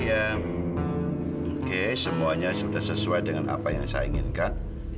ya oke semuanya sudah sesuai dengan apa yang saya inginkan